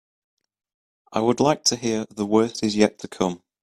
I would like to hear The Worst Is Yet To Come.